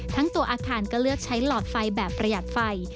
ทั้งตัวอาคารก็เลือกใช้หลอดไฟแบบประหยัดไฟ